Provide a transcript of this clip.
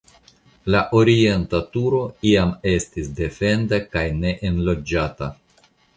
La orienta turo iam estis defenda kaj neenloĝata.